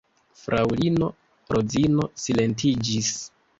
Fraŭlino Rozino silentiĝis.